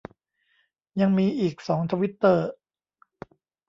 ยังมีอีกสองทวิตเตอร์